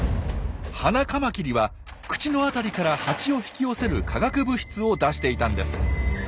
ハナカマキリは口のあたりからハチを引き寄せる化学物質を出していたんです。